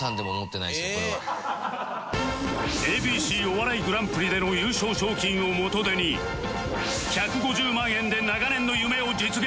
ＡＢＣ お笑いグランプリでの優勝賞金を元手に１５０万円で長年の夢を実現